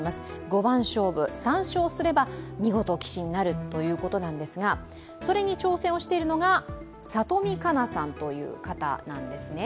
五番勝負、３勝すれば、見事棋士になるということなんですがそれに挑戦をしているのが里見香奈さんという方なんですね。